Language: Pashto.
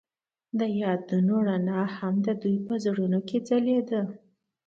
د یادونه رڼا هم د دوی په زړونو کې ځلېده.